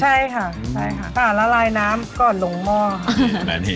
ใช่ค่ะใช่ค่ะละลายน้ำก่อนลงหม้อค่ะ